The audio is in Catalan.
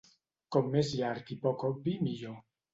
Com més llarg i poc obvi, millor.